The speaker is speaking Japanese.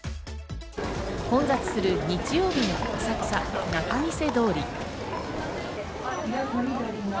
混雑する日曜日の浅草・仲見世通り。